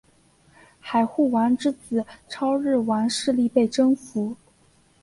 海护王之子超日王势力被征服。